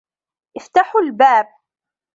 افتحوا الباب.